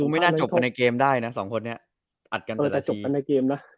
ไม่น่าจบกันในเกมได้นะสองคนนี้อัดกันเออแต่จบกันในเกมนะ